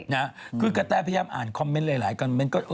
นะคือกระแตพยายามอ่านคอมเมนต์หลายคอมเมนต์